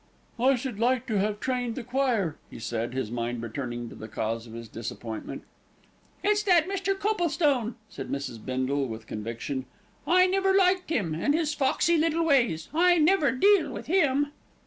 "I should have liked to have trained the choir," he said, his mind returning to the cause of his disappointment. "It's that Mr. Coplestone," said Mrs. Bindle with conviction. "I never liked him, with his foxy little ways. I never deal with him."